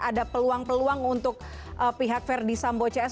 ada peluang peluang untuk pihak ferdisambo cs